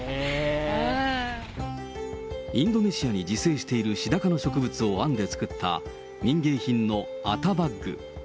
インドネシアに自生しているシダ科の植物を編んで作った民芸品のアタバッグ。